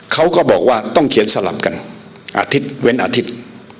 เขาก็บอกว่าต้องเขียนสลับกันอาทิตย์เว้นอาทิตย์